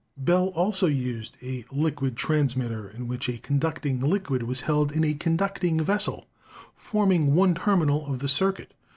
Bell also used a liquid transmitter in which a conduct ing liquid was held in a conducting vessel, forming one terminal of the circuit.